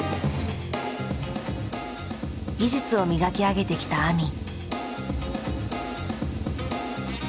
技術を磨き上げてきたＡＭＩ。